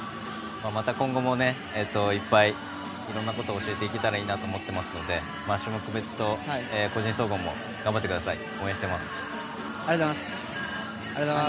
また今後も、いっぱいいろんなことを教えていけたらいいなと思いますので種目別と個人総合も頑張ってください。